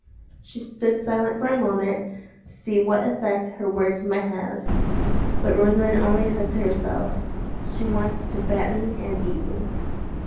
She stood silent for a moment, to see what effect her words might have. But Rosamond only said to herself,— "She wants to fatten and eat me."